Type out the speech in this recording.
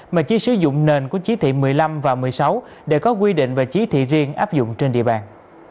mà chỉ sử dụng nền của chí thị một mươi năm và một mươi sáu để có quy định về chí thị riêng áp dụng trên địa bàn